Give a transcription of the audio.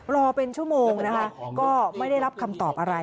รอเป็นชั่วโมงนะคะก็ไม่ได้รับคำตอบอะไร